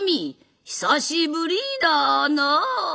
久しぶりだなぁ」。